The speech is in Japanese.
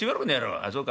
「ああそうか？